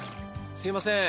すいません